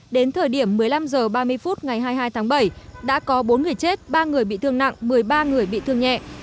đến thời điểm một mươi năm h ba mươi phút ngày hai mươi hai tháng bảy đã có bốn người chết ba người bị thương nặng một mươi ba người bị thương nhẹ